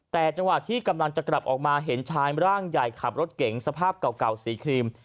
แต่จังหวะที่กำลังจะกลับออกมาเห็นชายร่างใหญ่ขับรถเก๋งสภาพเก่าสีครีม